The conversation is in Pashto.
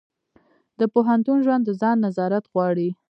د پوهنتون ژوند د ځان نظارت غواړي.